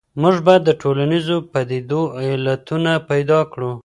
موږ بايد د ټولنيزو پديدو علتونه پيدا کړو.